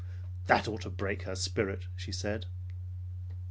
"That ought to break her spirit," she said.